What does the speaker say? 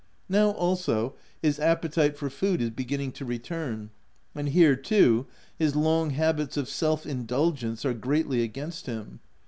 Now also, his appetite for food is beginning to return ; and here too, his long habits of self indulgence are greatly against him.